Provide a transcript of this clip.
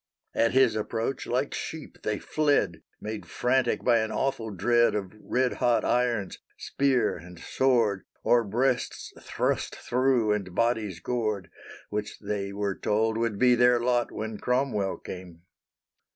At his approach like sheep they fled, Made frantic by an awful dread Of red hot irons, spear, and sword, Of breasts thrust thro', and bodies gored, Which they were told would be their lot When Cromwell came.